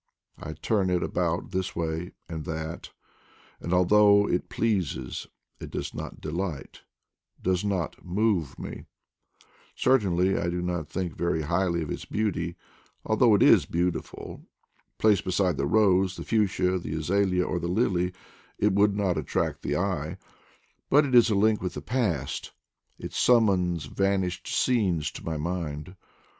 I turn it about this way and that, and although it pleases it does not delight, does not move me: certainly I do not think very highly of its beauty, although it is beautiful; placed beside the rose, the fuchsia, the azalea, or the lily, it would not attract the eye. But it is a link with the past, it summons vanished scenes to my mind.